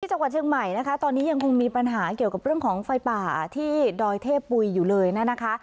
จังหวัดเชียงใหม่นะคะตอนนี้ยังคงมีปัญหาเกี่ยวกับเรื่องของไฟป่าที่ดอยเทพปุ๋ยอยู่เลยนะคะ